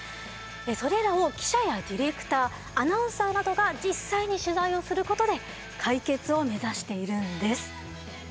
それらを記者やディレクターアナウンサーなどが実際に取材をすることで解決を目指しているんです。